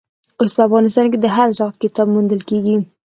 اوس په افغانستان کې د هر ذوق کتاب موندل کېږي.